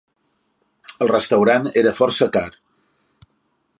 El restaurant era força car.